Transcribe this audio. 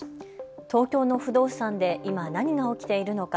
東京の不動産で今、何が起きているのか。